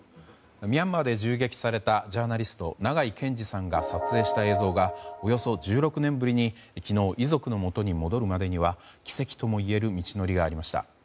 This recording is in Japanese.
ミャンマーで銃撃されたジャーナリスト、長井健司さんが撮影した映像がおよそ１６年ぶりに昨日、遺族のもとに戻るまでには奇跡ともいえる道のりがありました。